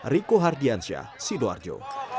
riko hardiansyah sidoarjo